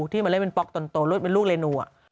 ที่มาเล่นเป็นป๊อกตนโตเป็นลูกเรนู